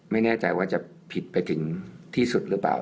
ไม่แน่ใจว่าจะผิดไปถึงที่สุดหรือเปล่า